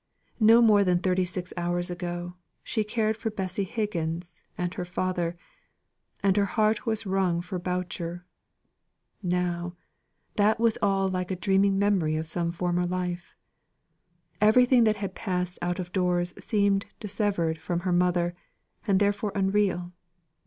Not more than thirty six hours ago, she cared for Bessy Higgins and her father, and her heart was wrung for Boucher; now, that was all like a dreaming memory of some former life; everything that had passed out of doors seemed dissevered from her mother, and therefore unreal.